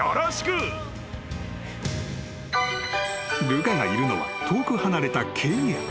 ［ルカがいるのは遠く離れたケニア］